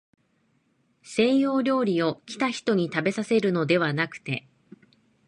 西洋料理を、来た人にたべさせるのではなくて、